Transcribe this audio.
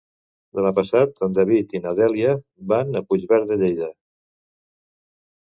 Demà passat en David i na Dèlia van a Puigverd de Lleida.